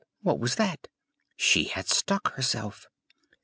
what was that? She had stuck herself.